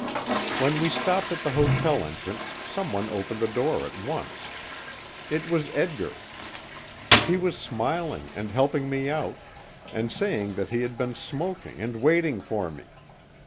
When we stopped at the hotel entrance some one opened the door at once. It was Edgar. He was smiling and helping me out, and saying that he had been smoking and waiting for me.